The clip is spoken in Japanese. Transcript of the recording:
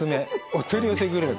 お取り寄せグルメ